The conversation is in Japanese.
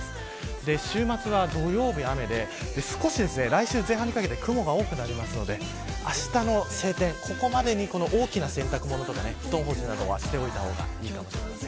週末は土曜日雨で少し来週前半にかけて雲が多くなるのであしたの晴天、ここまでに大きな洗濯物とか布団干しはしたほうがいいです。